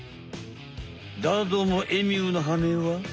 だどもエミューのはねは。